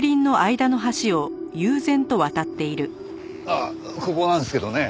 ああここなんですけどね。